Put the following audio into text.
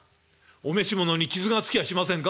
「お召し物に傷がつきゃしませんか？」。